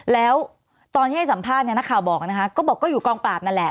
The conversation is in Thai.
แล้วตอนที่ให้สัมภาษณ์เนี่ยนักข่าวบอกนะคะก็บอกก็อยู่กองปราบนั่นแหละ